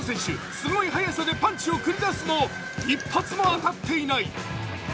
すごい速さでパンチを繰り出すも、一発も当たっていない。